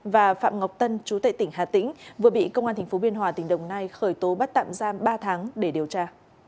và phạm ngọc tân chú tệ tỉnh hà tĩnh vừa bị công an tp biên hòa tỉnh đồng nai khởi tố bắt tạm giam ba tháng để điều tra